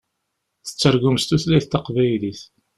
Tettargum s tutlayt taqbaylit.